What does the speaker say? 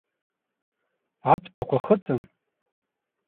Аԥҭақәа хыҵын.